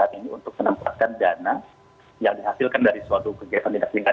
orang ini gitu ya untuk menempatkan dana yang dihasilkan dari suatu kegiatan tidak diingatkan